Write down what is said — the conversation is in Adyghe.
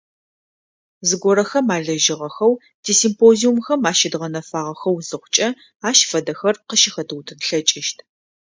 Зыгорэхэм алэжьыгъэхэу, тисимпозиумхэм ащыдгъэнэфагъэхэу зыхъукӏэ, ащ фэдэхэр къыщыхэтыутын тлъэкӏыщт.